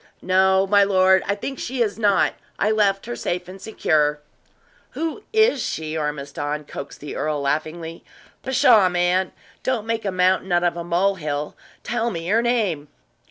"No, my lord, I think she is not. I left her safe and secure." "Who is she, Ormiston?" coaxed the earl, laughingly. "Pshaw, man! don't make a mountain out of a mole hill! Tell me her name!"